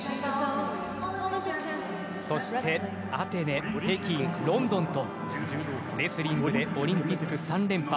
そしてアテネ、北京、ロンドンとレスリングでオリンピック３連覇